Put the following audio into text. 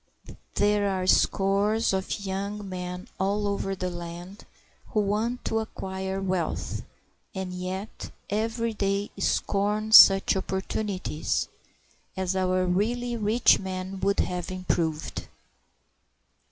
There are scores of young men all over the land who want to acquire wealth, and yet every day scorn such opportunities as our really rich men would have improved.